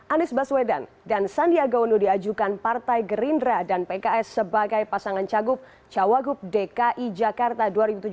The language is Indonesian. anies baswedan dan sandiaga uno diajukan partai gerindra dan pks sebagai pasangan cagup cawagup dki jakarta dua ribu tujuh belas